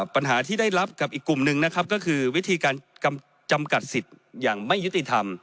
ปัญหาที่ได้รับกับอีกกลุ่มหนึ่งนะครับก็คือวิธีการจำกัดสิทธิ์อย่างไม่ยุติธรรม